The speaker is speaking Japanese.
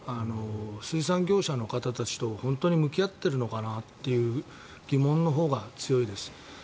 水産業者の方たちと本当に向き合っているのかなという疑問のほうが強いです。